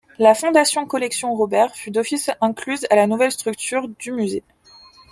La Fondation Collection Robert fut d’office incluse à la nouvelle structure du musée.